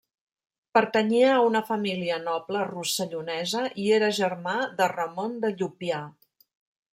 Pertanyia a una família noble rossellonesa i era germà de Ramon de Llupià.